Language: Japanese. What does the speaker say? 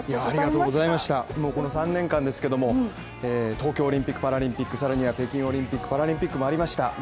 ありがとうございました、この３年間ですけども東京オリンピック・パラリンピック北京オリンピック・パラリンピックもありました